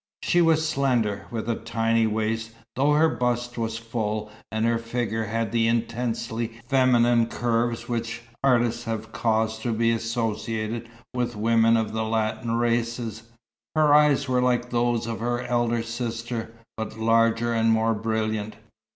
She was slender, with a tiny waist, though her bust was full, and her figure had the intensely feminine curves which artists have caused to be associated with women of the Latin races; her eyes were like those of her elder sister, but larger and more brilliant.